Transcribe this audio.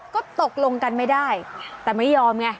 ก็ตกลงกันไม่ได้แต่ไม่ยอมไง